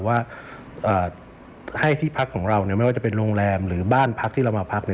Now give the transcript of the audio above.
ว่าให้ที่พักของเราไม่ว่าจะเป็นโรงแรมหรือบ้านพักที่เรามาพัก